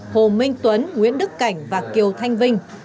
hồ minh tuấn nguyễn đức cảnh và kiều thanh vinh